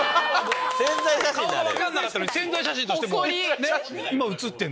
顔が分かんなかったのに宣材写真として今映ってる。